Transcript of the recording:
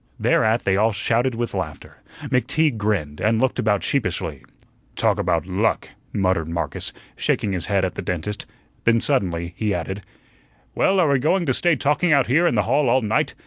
Thereat they all shouted with laughter. McTeague grinned, and looked about sheepishly. "Talk about luck," muttered Marcus, shaking his head at the dentist; then suddenly he added: "Well, are we going to stay talking out here in the hall all night?